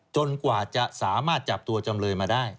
กว่าจะสามารถจับตัวจำเลยมาได้